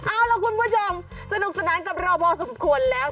เอาล่ะคุณผู้ชมสนุกสนานกับเราพอสมควรแล้ว